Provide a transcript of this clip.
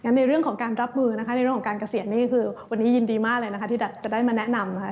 ในเรื่องของการรับมือนะคะในเรื่องของการเกษียณนี่คือวันนี้ยินดีมากเลยนะคะที่จะได้มาแนะนำค่ะ